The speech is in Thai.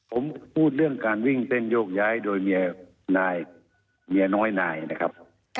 ผมพูดเรื่องการวิ่งเต้นโยกย้ายโดยเมียนายเมียน้อยนายนะครับ